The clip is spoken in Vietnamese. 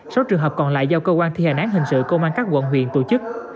số trường hợp còn lại do cơ quan thi hành án hình sự công an các quận huyện tổ chức